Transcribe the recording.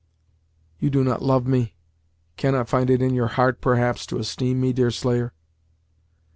"You do not love me, cannot find it in your heart, perhaps, to esteem me, Deerslayer!"